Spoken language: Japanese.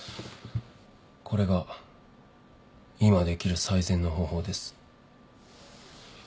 これが今できる最善の方法です。